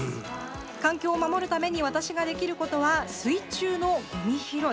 環境を守るために私ができることは水中のごみ拾い。